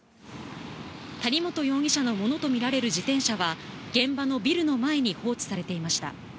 谷本容疑者のものとみられる自転車は、現場のビルの前に放置されていました。